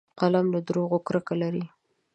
قلم له دروغو کرکه لري